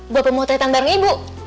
buat pemotretan bareng ibu